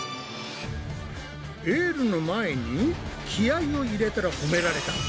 エールの前に気合いを入れたら褒められた！